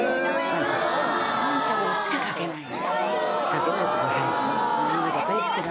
ワンちゃんしか描けないから。